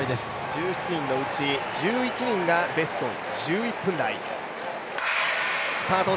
１７人のうち１１人がベスト１１分台。